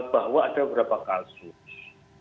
bahwa ada beberapa kasus